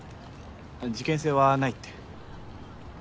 事件性はないって。